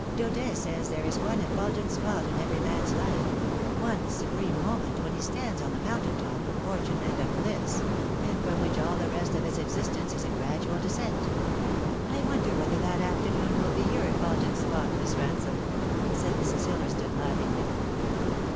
" Daudet says there is one effulgent spot in every man's life one supreme moment when he stands on the mountain top of fortune and of bliss, and from which all the rest of his exist ence is a gradual descent. I wonder whether that afternoon will be your effulgent spot, Miss Eansome ?" said Mrs. Hilleradon laughingly.